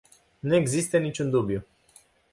Nu există nici un dubiu.